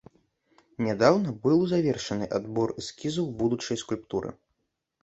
Нядаўна быў завершаны адбор эскізаў будучай скульптуры.